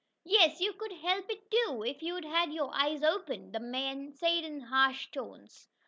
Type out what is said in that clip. "Yes, you could help it too, if you'd had your eyes open!" the man said in harsh tones.